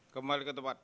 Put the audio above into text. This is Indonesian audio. kembali ke tempat